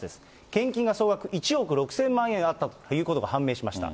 献金が総額１億６０００万円あったということが判明しました。